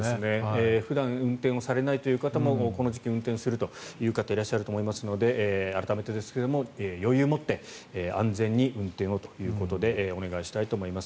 普段運転をされないという方もこの時期、運転するという方いらっしゃると思いますので改めて余裕を持って安全に運転をということでお願いしたいと思います。